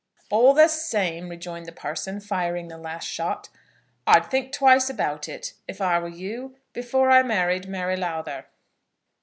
"All the same," rejoined the parson, firing the last shot; "I'd think twice about it, if I were you, before I married Mary Lowther."